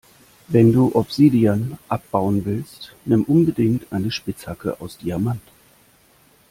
Wenn du Obsidian abbauen willst, nimm unbedingt eine Spitzhacke aus Diamant.